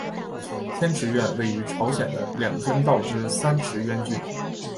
天池院位于朝鲜的两江道之三池渊郡。